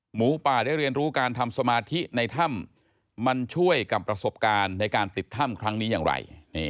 หมูป่าได้เรียนรู้การทำสมาธิในถ้ำมันช่วยกับประสบการณ์ในการติดถ้ำครั้งนี้อย่างไร